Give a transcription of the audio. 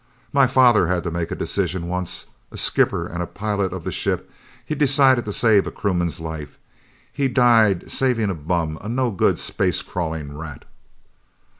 My father had to make a decision once. As skipper and pilot of the ship he decided to save a crewman's life. He died saving a bum, a no good space crawling rat!"